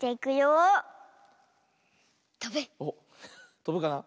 とぶかな？